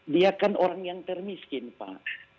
dia kan orang yang termiskin pak